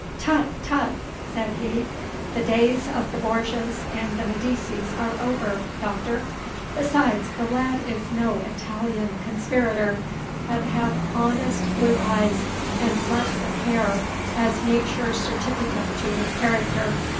'Tut! tut!' said he. 'The days of the Borgias and the Medicis are over, Doctor. Besides, the lad is no Italian conspirator, but hath honest blue eyes and flaxen hair as Nature's certificate to his character.